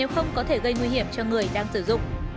không có thể gây nguy hiểm cho người đang sử dụng